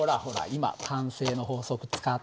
今慣性の法則使った。